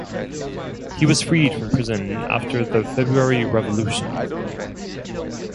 He was freed from prison after the February Revolution.